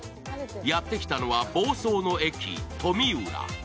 やってきたのは房総の駅とみうら。